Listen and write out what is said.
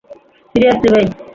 Seriously, ভাই।